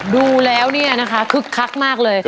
ดูแล้วเนี่ยนะคะคึกคักมากเลย